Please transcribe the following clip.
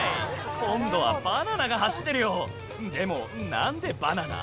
今度はバナナが走ってるよでも何でバナナ？